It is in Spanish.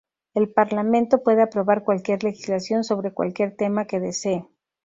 El Parlamento puede aprobar cualquier legislación sobre cualquier tema que desee.